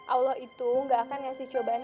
allah itu gak akan ngasih cobaan